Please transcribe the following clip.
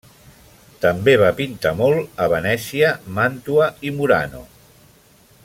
També va pintar molt a Venècia, Màntua i Murano.